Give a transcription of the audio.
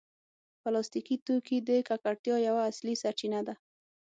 پلاستيکي توکي د ککړتیا یوه اصلي سرچینه ده.